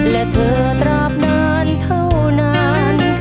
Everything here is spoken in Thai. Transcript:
และเธอตราบนานเท่านั้น